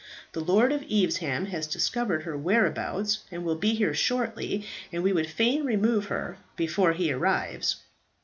The lord of Evesham has discovered her whereabouts, and will be here shortly, and we would fain remove her before he arrives."